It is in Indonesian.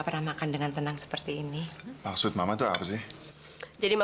papa kasar dengan istri kamu vin